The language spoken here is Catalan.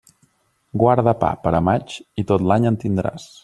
Guarda pa per a maig, i tot l'any en tindràs.